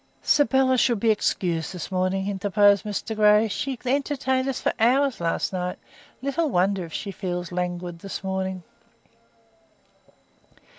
"Sybylla should be excused this morning," interposed Mr Grey. "She entertained us for hours last night. Little wonder if she feels languid this morning."